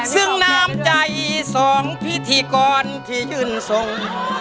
ซึ่งน้ำใจสองพิธีกรที่ยื่นทรง